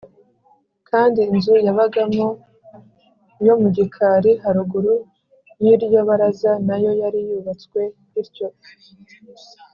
Kandi inzu yabagamo yo mu gikari haruguru y’iryo baraza na yo yari yubatswe ityo